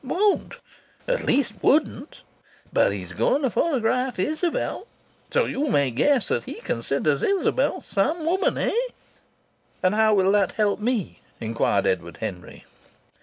Won't! At least, wouldn't! But he's going to photograph Isabel. So you may guess that he considers Isabel some woman, eh?" "And how will that help me?" inquired Edward Henry.